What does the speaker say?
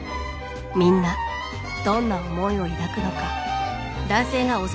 みんなどんな思いを抱くのか。